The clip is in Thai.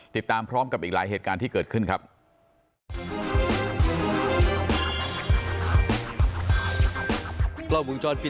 ติดตามพร้อมกับอีกหลายเหตุการณ์ที่เกิดขึ้นครับ